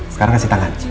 sekarang ngasih tangan